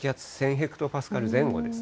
ヘクトパスカル前後です。